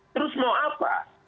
terus mau apa